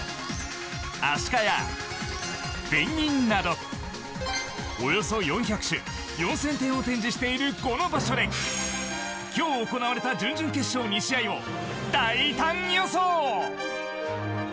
アシカやペンギンなどおよそ４００種４０００点を展示しているこの場所で今日行われた準々決勝２試合を大胆予想！